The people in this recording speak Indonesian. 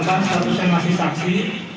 satu yang masih saksi